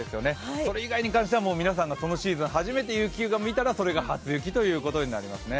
それ以外に関してはそのシーズン皆さんが初めて雪を見たらそれが初雪ということになりますね。